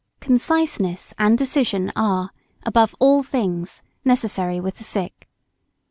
] Conciseness and decision are, above all things, necessary with the sick.